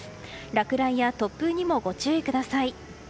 落雷や突風にもご注意ください。